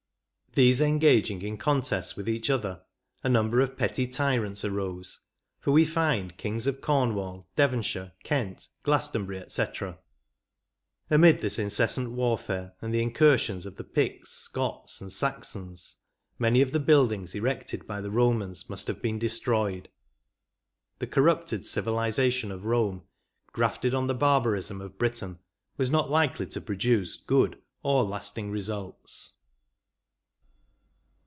These engaging in contests with each other, a number of petty tyrants arose, for we find Kings of Cornwall, Devonshire, Kent, Glaston bury, &c. Amid this incessant warfare, and the incursions of the Picts, Scots, and Saxons, many of the buildings erected by the Bomans must have been destroyed. The corrupted civilisation of Bome, grafted on the barbarism of Britain, was not likely to produce good or lasting results.